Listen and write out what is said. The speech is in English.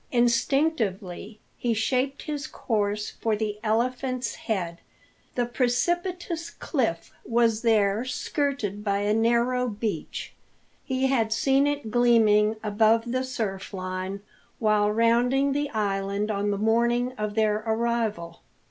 Instinctively he shaped his course for the Elephant's head. The precipitous cliff was there skirted by a narrow beach. He had seen it gleaming above the surf line while rounding the island on the morning of their arrival.